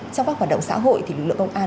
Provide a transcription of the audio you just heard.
trong các hoạt động xã hội thì lực lượng công an